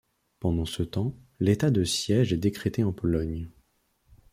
Pendant ce temps, l'état de siège est décrété en Pologne.